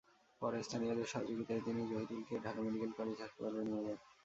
পরে স্থানীয়দের সহযোগিতায় তিনি জহিরুলকে ঢাকা মেডিকেল কলেজ হাসপাতালে নিয়ে যান।